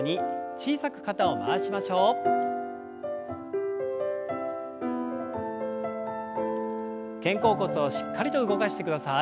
肩甲骨をしっかりと動かしてください。